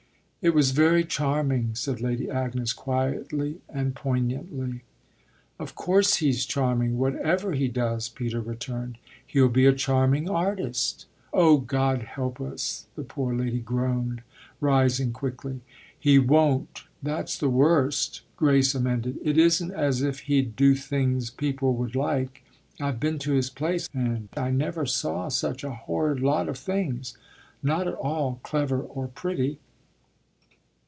"It was very charming," said Lady Agnes quietly and poignantly. "Of course he's charming, whatever he does," Peter returned. "He'll be a charming artist." "Oh God help us!" the poor lady groaned, rising quickly. "He won't that's the worst," Grace amended. "It isn't as if he'd do things people would like, I've been to his place, and I never saw such a horrid lot of things not at all clever or pretty."